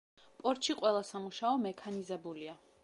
პორტში ყველა სამუშაო მექანიზებულია.